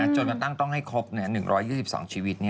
จนกระทั่งต้องให้ครบ๑๒๒ชีวิต